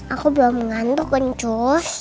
aku belum ngantuk ncus